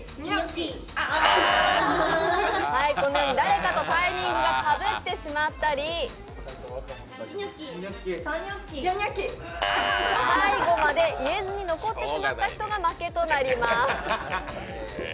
このように誰かとタイミングがかぶってしまったり最後まで言えずに残ってしまった人が負けとなります。